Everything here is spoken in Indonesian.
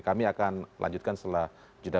kami akan lanjutkan setelah jeda